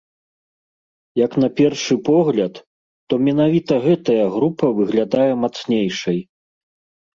Як на першы погляд, то менавіта гэтая група выглядае мацнейшай.